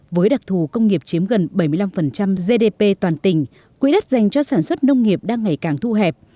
với đặc thù công nghiệp chiếm gần bảy mươi năm gdp toàn tỉnh quỹ đất dành cho sản xuất nông nghiệp đang ngày càng thu hẹp